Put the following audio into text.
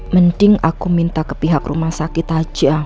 mending aku minta ke pihak rumah sakit aja